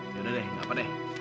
yaudah deh gapapa deh